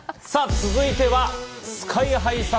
続いてはＳＫＹ−ＨＩさん